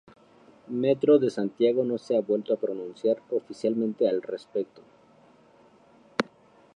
Metro de Santiago no se ha vuelto a pronunciar oficialmente al respecto.